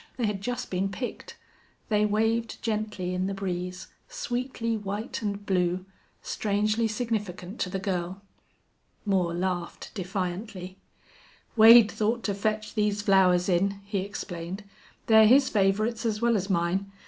They had just been picked. They waved gently in the breeze, sweetly white and blue, strangely significant to the girl. Moore laughed defiantly. "Wade thought to fetch these flowers in," he explained. "They're his favorites as well as mine.